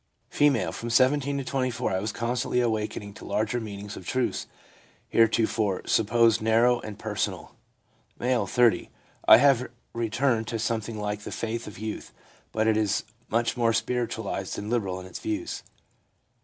F. ' From 17 to 24 I was constantly awakening to larger meanings of truths here tofore supposed narrow and personal.' M., 30. ' I have returned to something like the faith of youth, but it is much more spiritualised and liberal in its views/ M.